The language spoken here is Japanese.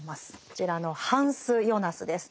こちらのハンス・ヨナスです。